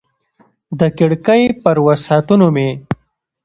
د کړکۍ پر وسعتونو مې